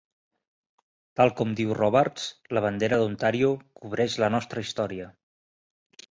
Tal com diu Robarts, la bandera d'Ontario "cobreix la nostra història.